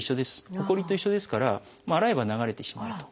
ほこりと一緒ですから洗えば流れてしまうと。